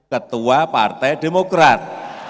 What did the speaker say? ketua partai demokrat